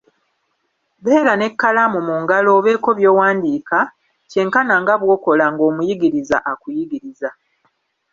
Beera n'ekkalamu mu ngalo obeeko by'owandiika, kye nkana nga bw'okola ng'omuyigiriza akuyigiriza.